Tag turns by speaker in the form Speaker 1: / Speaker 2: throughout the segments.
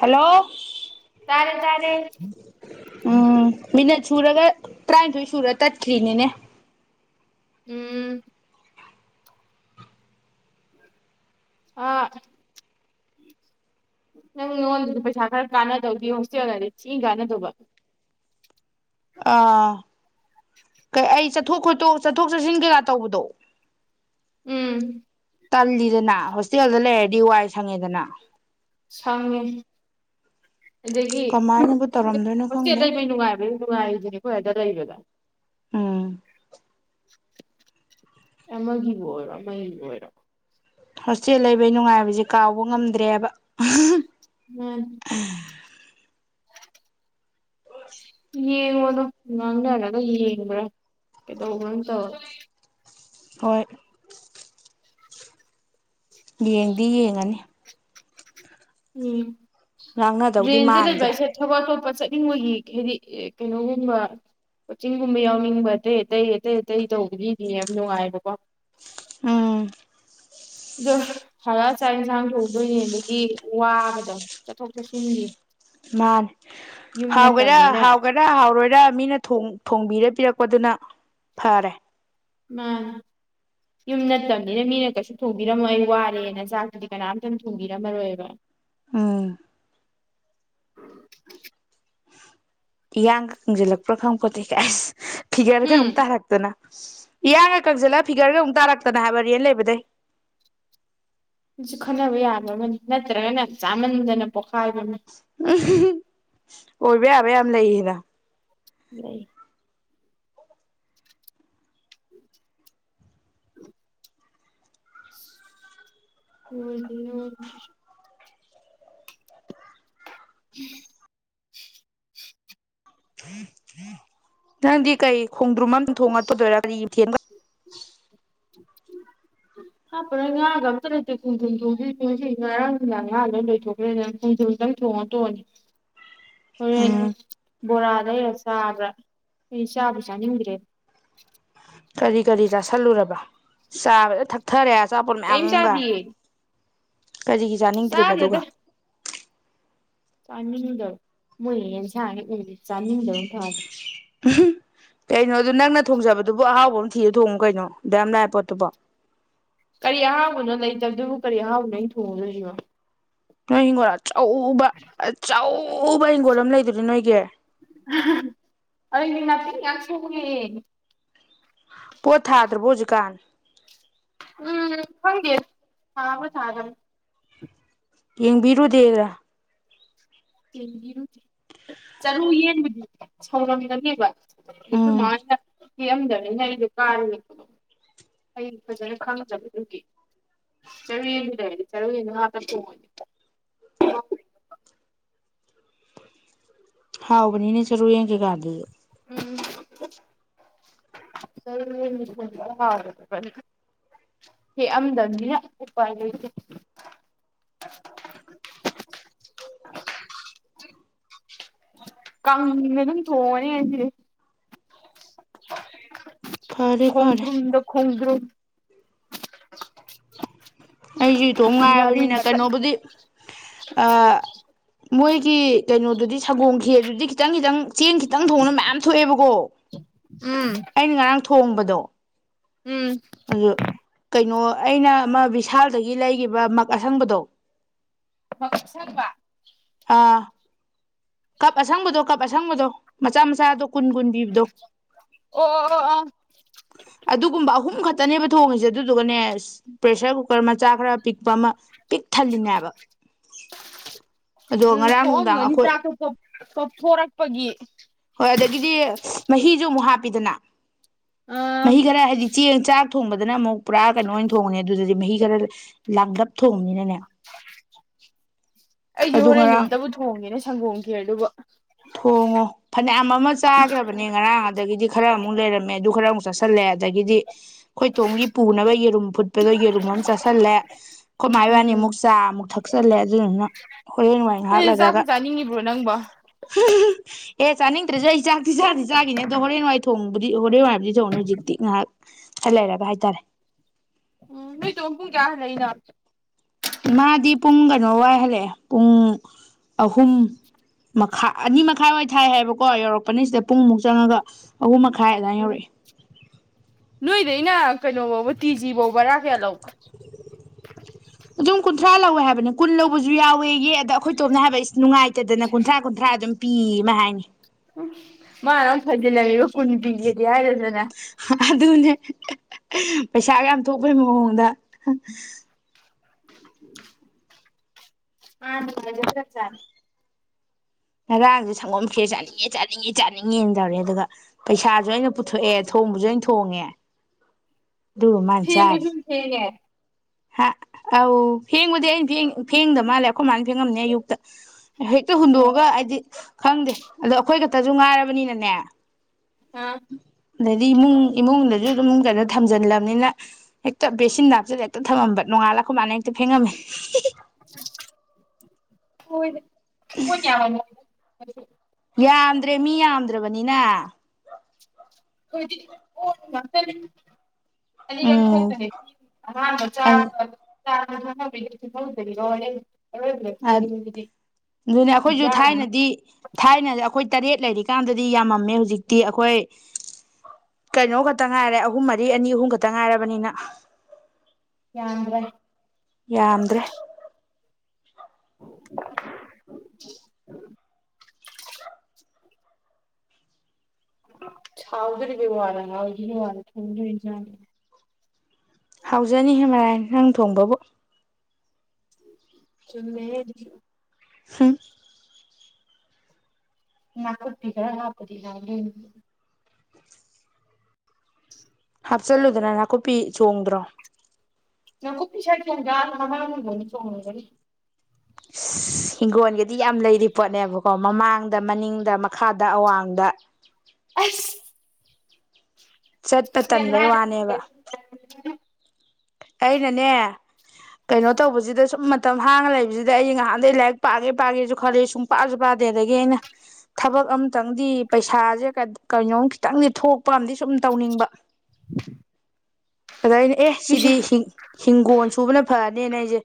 Speaker 1: hello
Speaker 2: ꯇꯥꯔꯦ ꯇꯥꯔꯦ
Speaker 1: ꯎꯝ ꯃꯤꯅꯠ ꯁꯨꯔꯒ ꯇꯔꯥꯅꯤꯊꯣꯏ ꯁꯨꯔ ꯇꯠꯈ꯭ꯔꯤꯅꯤꯅꯦ
Speaker 2: ꯎꯝ ꯑ ꯅꯪ ꯅꯉꯣꯟꯗꯗꯤ ꯄꯩꯁꯥ ꯈꯔ ꯀꯥꯟꯅꯗꯧꯗꯤ ꯍꯣꯁꯇꯦꯜꯗꯗꯤ ꯊꯤꯅ ꯀꯥꯟꯅꯗꯧꯕ
Speaker 1: ꯑꯥ ꯀꯩ ꯑꯩ ꯆꯠꯊꯣꯛ ꯈꯣꯠꯇꯣꯛ ꯆꯠꯊꯣꯛ ꯆꯠꯁꯤꯟ ꯀꯩꯀꯥ ꯇꯧꯕꯗꯣ
Speaker 2: ꯎꯝ
Speaker 1: ꯇꯜꯂꯤꯗꯅ ꯍꯣꯁꯇꯦꯜꯗ ꯂꯩꯔꯗꯤ ꯋꯥꯏ ꯁꯪꯉꯦꯗꯅ
Speaker 2: ꯁꯪꯉꯦ ꯑꯗꯒꯤ
Speaker 1: ꯀꯃꯥꯏꯅꯕꯨ ꯇꯧꯔꯝꯗꯣꯏꯅꯣ
Speaker 2: ꯍꯣꯁꯇꯦꯠ
Speaker 1: ꯈꯪꯗꯦ
Speaker 2: ꯂꯩꯕꯩ ꯅꯨꯡꯉꯥꯏꯕꯩ ꯅꯨꯡꯉꯥꯏꯔꯤꯗꯨꯅꯦ ꯑꯩꯈꯣꯏ ꯑꯗ ꯂꯩꯕꯗ
Speaker 1: ꯎꯝ
Speaker 2: ꯑꯃꯒꯤꯕꯨ ꯑꯣꯏꯔꯣ ꯑꯃꯒꯤꯕꯨ ꯑꯣꯏꯔꯣ
Speaker 1: ꯍꯣꯁꯇꯦꯜ ꯂꯩꯕꯩ ꯅꯨꯡꯉꯥꯏꯕꯁꯦ ꯀꯥꯎꯕ ꯉꯝꯗ꯭ꯔꯦꯕ
Speaker 2: ꯃꯥꯅꯤ ꯌꯦꯡꯉꯣꯗꯣ ꯉꯥꯡꯅꯔꯒ ꯌꯦꯡꯕ꯭ꯔꯥ ꯀꯩꯗꯧꯕ꯭ꯔꯥ ꯇꯧꯔꯣ
Speaker 1: ꯍꯣꯏ ꯌꯦꯡꯗꯤ ꯌꯦꯡꯉꯅꯤ
Speaker 2: ꯎꯝ
Speaker 1: ꯉꯥꯡꯅꯗꯧꯗꯤ
Speaker 2: ꯔꯦꯟꯗ ꯂꯩꯕ
Speaker 1: ꯃꯥꯟꯗ꯭ꯔꯦ
Speaker 2: ꯍꯥꯏꯁꯦ ꯊꯕꯛ ꯑꯇꯣꯞꯄ ꯆꯠꯅꯤꯡꯕꯒꯤ ꯍꯥꯏꯗꯤ ꯀꯩꯅꯣꯒꯨꯝꯕ ꯀꯣꯆꯤꯡꯒꯨꯝꯕ ꯌꯥꯎꯅꯤꯡꯕ ꯑꯇꯩ ꯑꯇꯩ ꯑꯇꯩ ꯑꯇꯩ ꯇꯧꯕꯒꯤꯗꯤ ꯌꯥꯝ ꯅꯨꯡꯉꯥꯏꯕꯀꯣ
Speaker 1: ꯎꯝ
Speaker 2: ꯑꯗꯣ ꯍꯜꯂꯛꯑꯒ ꯆꯥꯛ ꯌꯦꯟꯁꯥꯡ ꯊꯣꯡꯗꯣꯏꯅꯤ ꯑꯗꯒꯤ ꯋꯥꯕꯗꯣ ꯆꯠꯊꯣꯛ ꯆꯠꯁꯤꯟꯒꯤ
Speaker 1: ꯃꯥꯅꯦ
Speaker 2: ꯌꯨꯝ ꯅꯠꯇꯕꯅꯤꯅ
Speaker 1: ꯍꯥꯎꯒꯦꯔꯥ ꯍꯥꯎꯔꯣꯏꯔꯥ ꯃꯤꯅ ꯊꯣꯡꯕꯤꯔ ꯄꯤꯔꯛꯄꯗꯨꯅ ꯐꯔꯦ
Speaker 2: ꯃꯥ ꯌꯨꯝ ꯅꯠꯇꯕꯅꯤꯅ ꯃꯤꯅ ꯀꯩꯁꯨ ꯊꯣꯡꯕꯤꯔꯝꯃꯣ ꯑꯩ ꯋꯥꯔꯦꯅ ꯆꯥꯛꯇꯨꯗꯤ ꯀꯅꯥꯝꯇꯪ ꯊꯣꯡꯕꯤꯔꯝꯃꯔꯣꯏꯕ
Speaker 1: ꯎꯝ ꯌꯥꯪ ꯒꯥ ꯀꯪꯁꯤꯜꯂꯛꯄꯔꯥ ꯈꯪꯄꯣꯠꯇꯦ ꯐꯤꯒꯔ ꯒꯥ
Speaker 2: ꯎꯝ
Speaker 1: ꯑꯃꯨꯛ ꯇꯔꯛꯇꯅ ꯏꯡꯒ ꯀꯪꯁꯤꯜꯂ ꯐꯤꯒꯔꯒ ꯑꯃꯨꯛ ꯇꯥꯔꯛꯇꯅ ꯍꯥꯏꯕ ꯔꯤꯌꯦꯟ ꯂꯩꯕꯗꯩ
Speaker 2: ꯁꯨ ꯈꯟꯅꯕ ꯌꯥꯕ ꯑꯃ ꯅꯠꯇ꯭ꯔꯒꯅ ꯆꯥꯃꯟꯗꯅ ꯄꯣꯛ ꯀꯥꯏꯕꯃꯦ
Speaker 1: ꯑꯣꯏꯕ ꯌꯥꯕ ꯌꯥꯝ ꯌꯥꯝ ꯂꯩꯌꯦꯦꯅ
Speaker 2: ꯂꯩ ꯍꯦ ꯍꯝ
Speaker 1: ꯅꯪꯗꯤ ꯀꯩ ꯈꯣꯡꯗ꯭ꯔꯨꯝ ꯑꯃꯝ ꯊꯣꯡꯉꯠꯄꯗꯣꯏꯔꯥ ꯀꯔꯤ ꯊꯒ
Speaker 2: ꯍꯥꯞꯄ꯭ꯔ ꯉꯥꯒ ꯑꯝꯇ ꯂꯩꯇꯦ ꯈꯣꯡꯊꯨꯝ ꯊꯣꯡꯁꯤ ꯊꯣꯡꯁꯤ ꯉꯔꯥꯡꯗꯥꯡ ꯉꯥ ꯂꯣꯏ ꯂꯣꯏꯊꯣꯛꯈ꯭ꯔꯦꯗꯅ ꯈꯣꯡꯖꯨꯝꯗꯪ ꯊꯣꯡꯉ ꯇꯣꯡꯉꯅꯤ ꯍꯣꯏ
Speaker 1: ꯎꯝ
Speaker 2: ꯕꯣꯔꯥꯗꯩꯔ ꯆꯥꯕ꯭ꯔꯥ ꯑꯩ ꯆꯥꯕ ꯆꯥꯅꯤꯡꯗ꯭ꯔꯦ
Speaker 1: ꯀꯔꯤ ꯀꯔꯤ ꯇꯥꯥꯁꯜꯂꯨꯔꯕ ꯁꯥꯕ ꯊꯊꯔꯦ
Speaker 2: ꯀꯩꯝ
Speaker 1: ꯆꯄꯔꯃꯦꯎꯒ
Speaker 2: ꯆꯥꯗꯤꯌꯦ
Speaker 1: ꯀꯔꯤꯒꯤ ꯆꯥꯅꯤꯡꯗ꯭ꯔꯤꯕ ꯑꯗꯨꯒ
Speaker 2: ꯆꯥꯗꯦꯗ ꯆꯥꯅꯤꯡꯗꯕ ꯃꯣꯏ ꯌꯦꯟꯁꯥꯒꯤ ꯑꯣꯏꯗꯤ ꯆꯥꯅꯤꯡꯗꯕ ꯐꯥꯔꯦ
Speaker 1: ꯀꯩꯅꯣ ꯑꯗꯨ ꯅꯪꯅ ꯊꯣꯡꯖꯕꯗꯨꯕꯨ ꯑꯍꯥꯎꯕ ꯑꯃ ꯊꯤꯔ ꯊꯣꯡꯉꯨ ꯀꯩꯅꯣ ꯑꯗꯨ ꯌꯥꯝ ꯂꯅꯥꯏ ꯄꯣꯠꯇꯨꯕꯣ
Speaker 2: ꯀꯔꯤ ꯑꯍꯥꯎꯕꯅꯣ ꯂꯩꯇꯕꯗꯨꯕꯨ ꯀꯔꯤ ꯑꯍꯥꯎꯕꯅꯣ ꯑ ꯊꯣꯡꯉꯗꯣꯏꯁꯤꯕ
Speaker 1: ꯅꯣꯏ ꯍꯒꯣꯔ ꯑꯕ ꯆꯧ ꯎꯕ ꯍꯪꯒꯣꯜ ꯑꯃ ꯂꯩꯗꯔꯤ ꯅꯣꯏꯒꯤ
Speaker 2: ꯀꯌꯥꯁ ꯎ
Speaker 1: ꯄꯣꯊꯥꯗ꯭ꯔꯕꯕꯨꯖ ꯀꯥꯟ
Speaker 2: ꯎꯝ ꯍꯪꯤ ꯆꯗꯝ
Speaker 1: ꯌꯦꯡꯕꯤꯔꯨꯗꯦꯗ꯭ꯔ
Speaker 2: ꯆꯦꯡꯒꯤ ꯔꯨꯇꯤ ꯆꯔꯨ ꯌꯦꯟꯕꯨꯗꯤ ꯁꯧꯔꯝꯒꯅꯦꯕ
Speaker 1: ꯎꯝ
Speaker 2: ꯃꯥꯗ ꯍꯤꯑꯝꯗꯕꯅꯤꯅ ꯑꯩꯗꯣ ꯀꯥꯔꯤꯅꯦꯕꯣ ꯑꯩ ꯐꯖꯅ ꯈꯥꯡꯉꯖꯕꯗꯨꯒꯤ ꯆꯔꯨ ꯌꯦꯦꯟꯗꯨꯗꯔꯗꯤ ꯆꯔꯨ ꯌꯦ ꯉꯥꯛꯇ ꯊꯣꯡꯉꯣꯏꯅꯦ
Speaker 1: ꯍꯥꯎꯕꯅꯤ ꯏꯅꯦ ꯆꯔꯨ ꯌꯦꯡ ꯀ ꯀꯗꯗ
Speaker 2: ꯎꯝ ꯍ ꯍꯦꯛꯑꯝꯗꯕꯅꯤꯅ ꯎꯄꯥꯏ ꯂꯩꯇꯦ ꯀꯥꯡꯗ ꯑꯗꯨꯝ ꯊꯣꯡꯉꯅꯤ ꯍꯥꯏꯁꯦ
Speaker 1: ꯐꯔꯦ ꯐꯔꯦ
Speaker 2: ꯈꯣꯡꯨꯗ ꯈꯣꯡꯗ꯭ꯔꯨ
Speaker 1: ꯑꯩꯁꯨ ꯏ ꯊꯣꯡ
Speaker 2: ꯉꯥꯔꯤ
Speaker 1: ꯉꯥꯏꯔꯕꯅꯤꯅ
Speaker 2: ꯃꯇꯠ
Speaker 1: ꯀꯩꯅꯣꯕꯨꯗꯤ ꯃꯣꯏꯒꯤ ꯀꯩꯅꯣꯗꯨꯗꯤ ꯁꯒꯣꯝ ꯈꯔꯗꯨꯗꯤ ꯈꯤꯇꯪ ꯈꯤꯇꯪ ꯆꯦꯡ ꯈꯤꯇꯪ ꯊꯣꯡꯅ ꯃꯌꯥꯝ ꯊꯣꯛꯑꯦꯕꯀꯣ
Speaker 2: ꯎꯝ
Speaker 1: ꯑꯩꯅ ꯉꯔꯥꯡ ꯊꯣꯡꯕꯗꯣ
Speaker 2: ꯎꯝ
Speaker 1: ꯑꯗꯨ ꯀꯩꯅꯣ ꯑꯩꯅ ꯑꯃ ꯕꯤꯚꯤꯁꯥꯜꯗꯒꯤ ꯂꯩꯈꯤꯕ ꯃꯛ ꯑꯁꯪꯕꯗꯣ
Speaker 2: ꯃꯁꯕ
Speaker 1: ꯑꯥ ꯀꯁꯪꯕꯗꯣ ꯀꯞ ꯑꯁꯪꯕꯗꯣ ꯃꯆꯥ ꯃꯆꯥꯗ ꯀꯨꯟ ꯀꯨꯟ ꯄꯤꯕꯗꯣ
Speaker 2: ꯑꯣ ꯑꯣ ꯑꯣ ꯑꯣ
Speaker 1: ꯑꯗꯨꯒꯨꯝꯕ ꯑꯍꯨꯝ ꯈ ꯛꯇꯅꯦꯕ ꯊꯣꯡꯉꯁꯦ ꯑꯗꯨꯗꯨꯒꯅꯦ ꯄ꯭ꯔꯦꯁꯔ ꯀꯨꯀꯔ ꯃꯆꯥ ꯈꯔ ꯄꯤꯛꯄ ꯑꯃ ꯄꯤꯛ ꯊꯜꯂꯤꯅꯦꯕ ꯑꯗꯣ
Speaker 2: ꯎꯝ
Speaker 1: ꯉꯔꯥꯡ ꯅꯨꯡꯗꯥꯡ
Speaker 2: ꯍꯣꯡꯑꯝꯒꯅꯤ
Speaker 1: ꯑꯩꯈꯣꯏ
Speaker 2: ꯆꯥꯛꯇꯣ ꯀꯣꯞꯊꯣꯔꯛꯄꯒꯤ
Speaker 1: ꯍꯣꯏ ꯑꯗꯒꯤꯗꯤ ꯃꯍꯤꯁꯨ ꯑꯃꯨꯛ ꯍꯥꯞꯄꯤꯗꯅ
Speaker 2: ꯑꯥ
Speaker 1: ꯃꯍꯤ ꯈꯔ ꯍꯥꯏꯕꯗꯤ ꯆꯦꯡ ꯆꯥꯛ ꯊꯣꯡꯕꯗꯅ ꯑꯃꯨꯛ ꯄꯨꯔꯥ ꯀꯩꯅꯣ ꯑꯣꯏꯅ ꯊꯣꯡꯉꯅꯦ ꯑꯗꯨꯗꯗꯤ ꯃꯍꯤ ꯔ ꯂꯪꯒꯞ ꯊꯣꯡꯝ ꯏꯅꯦ
Speaker 2: ꯑꯩꯁꯨꯦ
Speaker 1: ꯑꯗꯨ
Speaker 2: ꯍꯣꯔꯦꯟ
Speaker 1: ꯉꯔꯥꯡ
Speaker 2: ꯑꯝꯇꯕꯨ ꯊꯣꯡꯉꯦꯅꯦ ꯁꯪꯒꯣꯝꯈꯤ ꯑꯗꯨꯕꯨ
Speaker 1: ꯊꯣꯡꯉꯣ ꯐꯅꯌꯥꯝ ꯑꯃ ꯆꯥꯈ꯭ꯔꯕꯅꯦ ꯉꯔꯥꯡ ꯑꯗꯒꯤꯗꯤ ꯈꯔ ꯑꯃꯨꯛ ꯂꯩꯔꯝꯃꯦ ꯑꯗꯨ ꯈꯔ ꯑꯃꯨꯛ ꯆꯠꯁꯤꯜꯂꯦ ꯑꯗꯒꯤꯗꯤ ꯑꯩꯣꯏꯇꯣꯡꯝꯒꯤ ꯄꯨꯅꯕ ꯌꯦꯔꯨꯝ ꯐꯨꯠꯄꯗꯣ ꯌꯦꯔꯨꯝ ꯑꯃ ꯆꯥꯥꯁꯜꯂꯦ ꯑꯩꯈꯣꯏ ꯃꯥꯏ ꯋꯥꯅꯤ
Speaker 2: ꯎꯝ
Speaker 1: ꯑꯃꯨꯛ ꯆꯥ ꯑꯃꯨꯛ ꯆꯂꯦ ꯑꯗꯨꯗꯨꯅ ꯍꯣꯔꯦꯟ ꯅꯣꯡꯃꯥꯏ ꯉꯥꯏꯍꯥꯛ
Speaker 2: ꯑꯗꯨꯗꯤ ꯆꯥꯛꯄꯨ
Speaker 1: ꯂꯩꯔꯒ
Speaker 2: ꯆꯥꯅꯤꯡꯉꯤꯕ꯭ꯔꯣ ꯅꯪꯕꯣ
Speaker 1: ꯑꯦ ꯆꯥꯅꯤꯡꯗ꯭ꯔꯦꯁꯨ ꯑꯩ ꯏꯆꯥꯡ ꯐꯤꯖꯥꯗꯤ ꯆꯥꯈꯤꯅꯦ ꯑꯗꯣ ꯍꯣꯔꯦꯟ ꯋꯥꯏ ꯊꯣꯡ ꯗꯤ ꯍꯣꯔꯦ ꯋꯥꯕꯨꯗꯤ ꯇꯅꯤ ꯍꯧꯖꯤꯛꯇꯤ ꯉꯥꯏꯍꯥꯛ ꯈꯔ ꯂꯩꯔꯒ ꯍꯥꯏꯇꯥꯔꯦ
Speaker 2: ꯎꯝ ꯅ ꯆꯣꯡꯨ ꯀꯌꯥ ꯂꯩꯗ
Speaker 1: ꯃꯥꯗꯤ ꯄꯨꯡ ꯀꯩꯅꯣ ꯋꯥꯏ ꯍꯜꯂꯛꯑꯦ ꯄꯨꯡ ꯑꯍꯨꯝ ꯃꯈꯥꯏ ꯑꯅꯤ ꯃꯈꯥꯏ ꯋꯥꯏ ꯊꯥꯏ ꯍꯥꯏꯕꯀꯣ ꯌꯧꯔꯛꯄꯅꯤ ꯁꯤꯗ ꯄꯨꯡꯃꯨꯛ ꯆꯪꯉꯒ ꯑꯍꯨꯝ ꯃꯈꯥꯏ ꯑꯗꯨꯃꯥꯏꯅ
Speaker 2: ꯎꯝ
Speaker 1: ꯌꯧꯔꯛꯑꯦ
Speaker 2: ꯅꯣꯏꯗꯩꯅ ꯀꯩꯅꯣ ꯐꯕ ꯇꯤꯖꯤ ꯐꯕꯥꯛ ꯂ
Speaker 1: ꯑꯗꯨꯝ ꯀꯨꯟꯊ꯭ꯔꯥ ꯂꯧꯋꯦ ꯍꯥꯏꯕꯅꯦ ꯀꯨꯟ ꯂꯧꯕꯁꯨ ꯌꯥꯎꯋꯦ ꯌꯦ ꯑꯗ ꯑꯩꯈꯣꯏ ꯇꯣꯝꯅ ꯍꯥꯏꯕ ꯏꯁ ꯅꯨꯡꯉꯥꯏꯇ ꯆꯗꯅ ꯀꯨꯟꯊ꯭ꯔꯥ ꯀꯟꯊ꯭ꯔꯥ ꯑꯗꯨꯝ ꯄꯤꯃ ꯍꯥꯏꯅꯤ
Speaker 2: ꯃꯥ ꯑꯔꯝ ꯐꯖꯂꯃꯤꯕ ꯀꯨꯟꯗꯤꯒꯗꯤ ꯍꯥꯏꯔ ꯗ
Speaker 1: ꯑꯗꯨꯅꯦ ꯄꯩꯁꯥꯒ ꯌꯥꯝ ꯊꯣꯛꯄꯒꯤ ꯃꯑꯣꯡꯗ
Speaker 2: ꯑ ꯆ ꯆꯔ
Speaker 1: ꯉꯔꯥꯡꯁꯦ ꯁꯪꯒꯣꯝ ꯈꯦ ꯆꯥꯅꯤꯡꯉꯦ ꯆꯥꯅꯤꯡꯉꯦ ꯆꯥꯅꯤꯡꯉꯦꯅ ꯇꯧꯔꯛꯑꯦ ꯑꯗꯨꯒ ꯄꯩꯁꯥꯁꯨ ꯑꯩꯅ ꯄꯨꯊꯣꯛꯑꯦ ꯊꯣꯡꯕꯁꯨ ꯑꯩꯅ ꯊꯣꯡꯉꯦ ꯑꯗꯨꯒ ꯃꯥꯅ
Speaker 2: ꯊꯁꯨ
Speaker 1: ꯆꯥꯔꯤ
Speaker 2: ꯊꯦꯡ
Speaker 1: ꯍꯥ ꯑꯧ ꯐꯦꯡꯕꯨꯗꯤ ꯑꯩꯅꯦꯡ ꯐꯦꯡꯗ ꯃꯥꯜꯂꯦ ꯑꯩꯈꯣꯏ ꯃꯥꯜꯅ ꯐꯦꯡꯉꯝꯅꯤ ꯑꯌꯨꯛꯇ ꯔꯇ ꯍꯗꯣ
Speaker 2: ꯑꯣ
Speaker 1: ꯈꯪꯗꯦ ꯑꯗꯣ ꯑꯩꯈꯣꯏ ꯈꯛꯇꯁꯨ ꯉꯥꯏꯔꯕꯅꯤꯅꯅꯦ
Speaker 2: ꯑꯥ
Speaker 1: ꯂꯩꯗꯤ ꯏꯃꯨꯡ ꯏꯃꯨꯡ ꯂꯩꯗꯤ ꯑꯗꯨꯨ ꯑꯗꯨꯝ ꯐꯖꯅ ꯊꯝꯖꯜꯂꯕꯅꯤꯅ ꯍꯦꯛꯇ ꯕꯦꯁꯤꯟ ꯅꯥꯞꯁꯤꯗ ꯍꯦꯛꯇ ꯊꯝꯃꯝꯕ ꯅꯣꯡꯉꯥꯜꯂꯛꯄ ꯃꯥꯜꯅ ꯍꯦꯛꯇ ꯐꯦꯡꯉꯝꯃꯦ
Speaker 2: ꯍꯣꯏ ꯀꯨ ꯀꯋꯥꯅꯤ ꯑꯗꯨ
Speaker 1: ꯌꯥꯝꯗ꯭ꯔꯦ ꯃꯤ ꯌꯥꯝꯗ꯭ꯔꯕꯅꯤꯅ
Speaker 2: ꯣꯏ ꯍ ꯑꯅꯤꯔꯛ
Speaker 1: ꯎꯝ
Speaker 2: ꯊꯣꯛꯣꯛꯇꯅꯦ ꯄꯤ ꯑꯍꯥꯟꯕ ꯆꯥ ꯆꯒꯦ
Speaker 1: ꯑꯗꯨꯅꯦ ꯑꯩꯈꯣꯏꯁꯨ
Speaker 2: ꯈꯨꯌꯥꯝ ꯑꯃ
Speaker 1: ꯊꯥꯏꯅꯗꯤ ꯊꯥꯏꯅ ꯑꯩꯈꯣꯏ ꯇꯔꯦꯠ ꯂꯩꯔꯤ ꯆꯖꯤ ꯀꯥꯟꯗꯗꯤ ꯌꯥꯝꯃꯝꯃꯦ ꯍꯧꯖꯤꯛꯇꯤ ꯑꯩꯈꯣꯏ ꯀꯩꯅꯣ ꯈꯛꯇ ꯉꯥꯏꯔꯦ ꯑꯍꯨꯝ ꯃꯔꯤ ꯑꯅꯤ ꯑꯍꯨꯝ ꯈꯛꯇ ꯉꯥꯏꯔꯕꯅꯤꯅ
Speaker 2: ꯌꯥꯝꯗ꯭ꯔꯦ
Speaker 1: ꯌꯥꯝꯗ꯭ꯔꯦ
Speaker 2: [unintelligible] ꯑꯣꯗꯅ ꯕꯔ ꯋꯥꯔ ꯊ
Speaker 1: ꯍꯥꯎꯖꯅꯤ ꯍꯦꯃꯔꯥ ꯅꯪ ꯊꯣꯡꯕꯕꯨ
Speaker 2: ꯆꯨꯝꯃꯦ
Speaker 1: ꯍ
Speaker 2: ꯉꯅꯥ ꯀꯄꯤꯤꯒ ꯍꯥꯥꯛꯄꯗꯤ
Speaker 1: ꯍꯥꯞꯆꯤꯜꯂꯨꯗꯅ ꯅꯥꯀꯨꯞꯄꯤ ꯆꯣꯡꯗ꯭ꯔꯣ
Speaker 2: ꯅ ꯀꯨꯄꯤ ꯁꯅꯤ ꯆꯣꯡꯉꯒꯅꯤ
Speaker 1: ꯑꯁ ꯍꯤꯡꯒꯣꯜꯒꯤꯗꯤ ꯌꯥꯝ ꯂꯩꯔꯤ ꯄꯣꯠꯅꯦꯕꯀꯣ ꯃꯃꯥꯡꯗ ꯃꯅꯤꯡꯗ ꯃꯈꯥꯗ ꯑꯋꯥꯡꯗ
Speaker 2: ꯑꯁ
Speaker 1: ꯆꯠꯄ
Speaker 2: ꯅꯪ
Speaker 1: ꯇꯟꯕꯩ ꯋꯥꯅꯦꯕ
Speaker 2: ꯍꯥꯏꯗꯨꯗꯤ
Speaker 1: ꯑꯩꯅꯅꯦ ꯀꯩꯅꯣ ꯇꯧꯕꯁꯤꯗ ꯁꯨꯝ ꯃꯇꯝ ꯍꯥꯡꯉ ꯂꯩꯕꯁꯤꯗ ꯑꯩ ꯉꯍꯥꯟꯗꯒꯤꯩ ꯂꯥꯏꯔꯤꯛ ꯄꯥꯒꯦ ꯄꯥꯒꯦꯁꯨ ꯈꯂ ꯁꯨꯝ ꯄꯥꯁꯨ ꯄꯥꯗꯦ ꯑꯗꯒꯤ ꯑꯩꯅ ꯊꯕꯛ ꯑꯝꯇꯪꯗꯤ ꯄꯩꯁꯥꯁꯦ ꯀꯩꯅꯣꯝ ꯈꯤꯇꯪꯗꯤ ꯊꯣꯛꯄ ꯑꯝ ꯁꯨꯝ ꯇꯧꯅꯤꯡꯕ ꯑꯗꯨꯗꯥꯥꯏꯅꯦ ꯑꯦ ꯁꯤꯗꯤ
Speaker 2: ꯅꯨꯡꯁꯥ
Speaker 1: ꯍꯤꯡꯒꯣꯜ ꯁꯨꯕꯅ ꯐ ꯐꯅꯦꯅ ꯑꯩꯁꯦ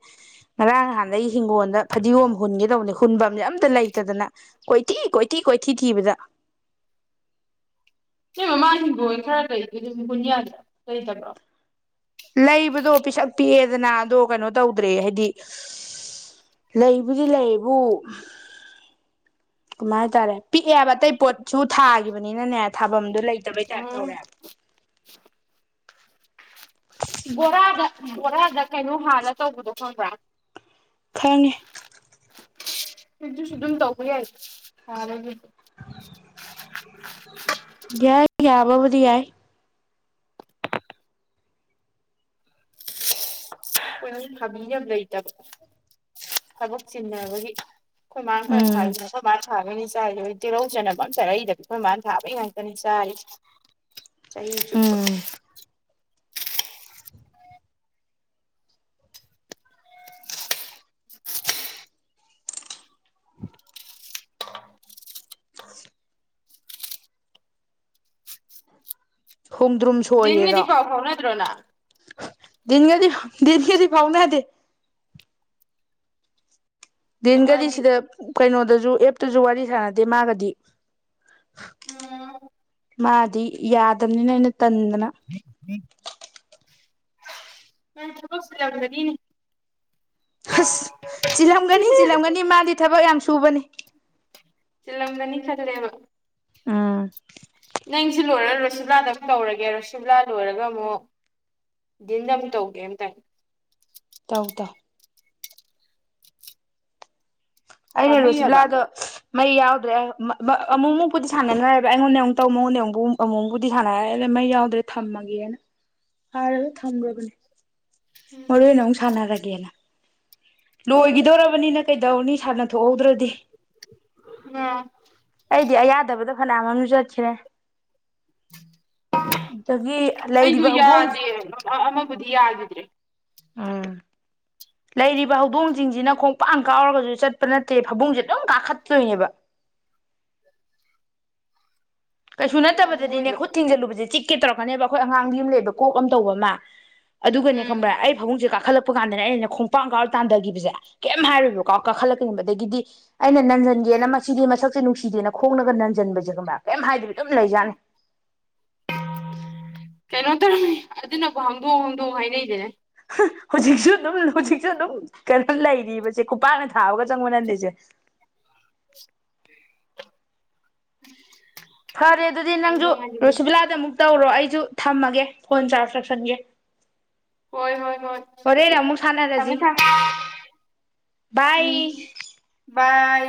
Speaker 1: ꯉꯔꯥꯡ ꯅꯍꯥꯟꯗꯒꯤ ꯍꯤꯡꯒꯣꯜꯗ ꯐꯗꯤꯒꯣꯝ ꯍꯨꯟꯒꯗꯧꯕꯅꯦ ꯍꯨꯟꯕ ꯑꯝꯅꯦ ꯑꯝꯇ ꯂꯩꯇꯗꯅ ꯀꯣꯏꯊꯤ ꯀꯣꯏꯊꯤ ꯀꯣꯏꯊꯤ ꯊꯤꯕꯗ
Speaker 2: ꯁꯤ ꯃꯃꯥꯁꯤꯡꯗꯣꯏ ꯈꯔ ꯂꯩꯗꯦ ꯑꯗꯨ ꯀꯨꯟꯌꯥꯗ ꯂꯩꯗꯕ꯭ꯔꯣ
Speaker 1: ꯂꯩꯕꯗꯣ ꯄꯤꯁꯛ ꯄꯤꯛꯑꯦꯗꯅ ꯑꯗꯣ ꯀꯩꯅꯣ ꯇꯧꯗ꯭ꯔꯦ ꯍꯥꯏꯗꯤ ꯂꯩꯕꯨꯗꯤ ꯂꯩꯕꯨ ꯀꯃꯥꯏ ꯍꯥꯏꯇꯥꯔꯦ ꯄꯤꯛꯑꯦꯕ ꯑꯇꯩ ꯄꯣꯠꯁꯨ ꯊꯥꯈꯤꯕꯅꯤꯅꯅꯦ ꯊꯥꯐꯝꯗꯣ ꯂꯩ
Speaker 2: ꯎꯝ ꯣꯔꯒ ꯕꯣꯔꯥꯗ ꯀꯩꯅꯣ ꯍꯥꯟꯅ ꯇꯧꯕꯗꯣ ꯈꯪꯕ꯭ꯔꯥ
Speaker 1: ꯈꯪꯉꯅꯤ
Speaker 2: ꯁꯤꯁꯨ ꯁꯝ ꯇꯧ ꯌꯥ ꯐꯔ
Speaker 1: ꯌꯥ ꯌꯥꯌꯥꯕꯕꯗꯤꯌꯥꯏ
Speaker 2: ꯑꯩꯈꯣꯏ ꯊꯥꯕꯤ ꯌꯥꯝ ꯂꯩꯇꯕ ꯊꯕꯛ ꯆꯤꯟꯅꯕꯒꯤ ꯀꯣꯏ ꯃꯥꯥꯡ ꯀ ꯊꯥꯏ
Speaker 1: ꯎꯝ
Speaker 2: ꯅ ꯃꯥ ꯊꯥꯕꯅꯤ ꯆꯥꯏꯣꯏ ꯇꯤꯜꯍꯧ ꯆꯅꯕ ꯑ ꯆꯔꯛꯏꯗꯕ ꯑꯩꯈꯣꯏ ꯃꯥꯅ ꯊꯥꯕꯩ ꯉꯥꯛꯇꯅꯤ ꯆꯥꯏ ꯆꯍꯤ ꯆꯄ
Speaker 1: ꯎꯝ ꯈꯣꯡꯗ꯭ꯔꯨꯝ
Speaker 2: ꯟꯒꯗꯤ
Speaker 1: ꯁꯣꯏꯔꯤꯔꯣ
Speaker 2: ꯐꯥꯎ ꯐꯥꯎꯅꯗ꯭ꯔꯣꯅ
Speaker 1: ꯟꯒꯔꯤ ꯟꯒꯔꯤ ꯐꯥꯎꯅ ꯍꯥꯏꯗꯤꯦ ꯤꯟꯒꯗꯤ
Speaker 2: ꯃꯥꯗꯤ
Speaker 1: ꯁꯤꯗ ꯀꯩꯅꯣꯗꯁꯨ ꯑꯦꯞꯇꯁꯨ ꯋꯥꯔꯤ ꯁꯥꯟꯅꯗꯦ ꯃꯥꯒꯗꯤ
Speaker 2: ꯎꯝ
Speaker 1: ꯃꯥꯗꯤ ꯌꯥꯗꯕꯅꯤꯅ ꯑꯩꯅ ꯇꯗꯅ
Speaker 2: ꯃ ꯊꯕꯁ ꯌꯥꯗꯔꯤꯅꯤ
Speaker 1: ꯑꯁ ꯆꯤꯜꯂꯝꯒꯅꯤ ꯆꯤꯜꯂꯝꯒꯅꯤ ꯃꯥꯗꯤ ꯊꯕꯛ ꯌꯥꯝ ꯁꯨꯕꯅꯤ
Speaker 2: ꯆꯤꯜꯂꯝꯗꯅꯤ ꯈꯗ꯭ꯔꯦꯕ
Speaker 1: ꯑꯥ
Speaker 2: ꯅꯪꯁꯨ ꯂꯣꯏꯔ ꯔꯨꯁꯨꯂꯥꯗ ꯑꯃ ꯇꯧꯔꯒꯦ ꯔꯨꯁꯨꯝꯂꯥ ꯂꯣꯏꯔꯒ ꯑꯃꯨꯛ ꯗꯤꯟ ꯑꯃꯨꯛ ꯇꯧꯒꯦ ꯑꯃꯝꯇꯪ
Speaker 1: ꯇꯧ ꯇꯧ ꯑꯩꯅ
Speaker 2: ꯄꯥꯝꯃꯨꯏ ꯍꯥꯏꯕ
Speaker 1: ꯔꯣꯁꯤꯂꯥꯗ ꯃꯩ ꯌꯥꯎꯗ꯭ꯔꯦ ꯑꯃꯨꯛ ꯑꯃꯨꯛꯄꯗꯤ ꯁꯥꯟꯅꯔ꯭ꯔꯦꯕ ꯑꯩꯉꯣꯟꯗ ꯑꯃꯨꯛ ꯇꯧ ꯃꯉꯣꯟ ꯑꯃꯨꯛ ꯑꯃꯨꯛꯕꯨꯗꯤ ꯁꯥꯟꯅꯔꯦ ꯃꯩ ꯌꯥꯎꯗ꯭ꯔꯦ ꯊꯝꯃꯒꯦꯅ ꯍꯥꯏꯔꯒ ꯊꯝꯈꯕꯅꯦ ꯃꯔꯨ ꯑꯣꯏꯅ ꯑꯃꯨꯛ ꯁꯥꯟꯅꯔꯒꯦꯅ ꯂꯣꯏꯈꯤꯗꯧꯔꯕꯅꯤꯅ ꯀꯩꯗꯧꯅꯤ ꯁꯥꯟꯅ ꯊꯣꯛꯍꯧꯗ꯭ꯔꯗꯤ
Speaker 2: ꯑꯥ
Speaker 1: ꯑꯩꯗꯤ ꯑꯌꯥꯗꯕꯗ ꯐꯅꯌꯥꯝ ꯑꯃꯁꯝꯨ ꯆꯠꯈꯔꯦ
Speaker 2: ꯑꯩꯁꯨ
Speaker 1: ꯂꯩꯔꯤꯕ ꯍꯧꯗꯣꯡ
Speaker 2: ꯌꯥꯗꯦ ꯑꯃꯕꯨꯗꯤ ꯌꯥꯈꯤꯗ꯭ꯔꯦ
Speaker 1: ꯎꯝ ꯂꯩꯔꯤꯕ ꯍꯧꯗꯣꯡꯁꯤꯡꯁꯤꯅ ꯈꯣꯡꯄꯥꯡ ꯀꯥꯎꯔꯒꯁꯨ ꯆꯠꯄ ꯅꯠꯇꯦ ꯐꯕꯨꯡꯁꯦ ꯂꯣꯏ ꯀꯥꯈꯠꯇꯣꯏꯅꯦꯕ ꯀꯩꯁꯨ ꯅꯠꯇꯕꯗꯗꯤꯅꯦ
Speaker 2: ꯑꯑꯣꯏꯕ
Speaker 1: ꯈꯨꯠ ꯊꯤꯡꯖꯤꯜꯂꯨꯕꯁꯦ ꯆꯤ ꯀꯦ ꯇꯧꯔꯛꯀꯅꯦꯕ ꯑꯩꯈꯣꯏ ꯑꯉꯥꯡꯗꯤ ꯑꯃ ꯂꯩꯕ ꯀꯣꯛ ꯑꯃ ꯇꯧꯕ ꯑꯃ ꯑꯗꯨꯒꯅꯦ ꯈꯪꯕ꯭ꯔꯥ
Speaker 2: ꯎꯝ
Speaker 1: ꯑꯩ ꯐꯥꯕꯨꯡꯁꯦ ꯀꯥꯈꯠꯂꯛꯄ ꯀꯥꯟꯗꯅꯦ ꯑꯩꯅ ꯈꯣꯡꯄꯥꯡ ꯀꯥꯎꯔ ꯇꯥꯟꯊꯒꯤꯈꯤꯕꯁꯦ ꯀꯩꯝ ꯍꯥꯏꯔꯣꯏꯕꯀꯣ ꯀꯥꯈꯠꯂꯛꯀꯅꯦꯕ ꯑꯗꯒꯤꯗꯤ ꯑꯩꯅ ꯅꯟꯖꯟꯒꯦꯅ ꯃꯁꯤꯗꯤ ꯃꯁꯛꯁꯦ ꯅꯨꯡꯁꯤ ꯁꯤꯗꯦꯅ ꯈꯣꯡꯅꯒ ꯅꯟꯖꯟꯕꯁꯦꯒꯃ ꯀꯔꯤꯝ ꯍꯥꯏꯗꯕꯤ ꯑꯗꯨꯝ ꯂꯩꯖꯥꯅꯤ
Speaker 2: ꯀꯩꯅꯣ ꯇꯧꯔꯝꯃꯤ ꯑꯗꯨꯅꯕꯨ ꯍꯥꯡꯗꯣꯛ ꯍꯥꯡꯗꯣꯛ ꯍꯥꯏꯅꯩꯗꯅꯦ
Speaker 1: ꯍꯧꯖꯤꯛꯁꯨ ꯑꯗꯨꯝ ꯍꯧꯖꯤꯛꯁꯨ ꯑꯗꯨꯝ ꯀꯩꯅꯣ ꯂꯩꯔꯤꯕꯁꯦ ꯈꯨꯄꯥꯛꯅ ꯊꯥꯕꯒ ꯆꯪ ꯃꯅꯜꯂꯤꯦꯁꯦ
Speaker 2: ꯎꯝ
Speaker 1: ꯐꯔꯦ ꯑꯗꯨꯗꯤ ꯅꯪꯁꯨ ꯁꯨꯕꯤꯂꯥꯗ ꯑꯃꯨꯛ ꯇꯧꯔꯣ ꯑꯩꯁꯨ ꯊꯝꯃꯒꯦ ꯐꯣꯟ ꯆꯥꯔꯖ ꯇꯧꯁꯟꯒꯦ
Speaker 2: ꯍꯣꯏ ꯍꯣꯏ ꯍꯣꯏ
Speaker 1: ꯍꯣꯔꯦꯟ ꯑꯃꯨꯛ
Speaker 2: ꯊꯝꯃꯦ
Speaker 1: ꯁꯥꯟꯅꯔꯁꯤ
Speaker 2: ꯊꯝ
Speaker 1: ꯕꯥꯏ
Speaker 2: ꯎꯝ ꯕꯥꯏ